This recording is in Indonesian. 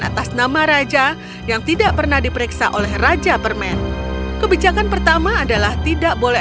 atas nama raja yang tidak pernah diperiksa oleh raja permen kebijakan pertama adalah tidak boleh